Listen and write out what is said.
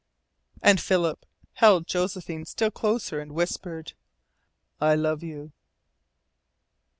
And Philip held Josephine still closer and whispered: "I love you!"